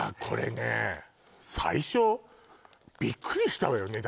これね最初びっくりしたわよ